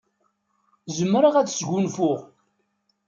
Zemreɣ ad sgunfuɣ.